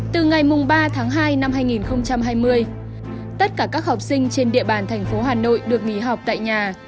từ ngày ba tháng hai năm hai nghìn hai mươi tất cả các học sinh trên địa bàn thành phố hà nội được nghỉ học tại nhà